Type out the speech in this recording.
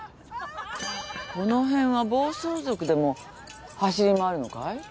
この辺は暴走族でも走り回るのかい？